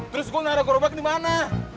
terus gue gak ada korbank dimana